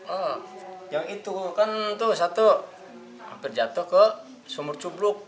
oh yang itu kan itu satu hampir jatuh ke sumur cubluk